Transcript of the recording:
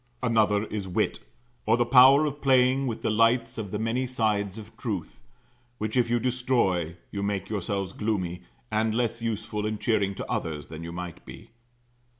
Another is wit; or the power of playing with the lights on the many sides of truth; which if you destroy, you make yourselves gloomy, and less useful and cheering to others than you might be.